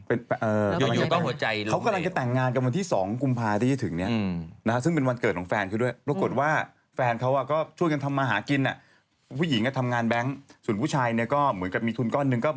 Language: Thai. อ๋อเออใช่เพราะว่าเขาจะแต่งงานกันแล้วสามีนจะตาย